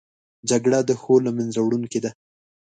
جګړه د ښو له منځه وړونکې ده